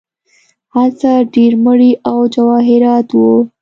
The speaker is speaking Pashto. هلته ډیر مړي او جواهرات وو.